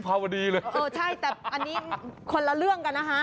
แต่อันนี้คนหละเรื่องกันนะคะ